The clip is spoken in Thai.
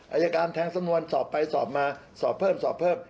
อายการแทงสำนวนสอบไปสอบมาสอบเพิ่มสอบเพิ่ม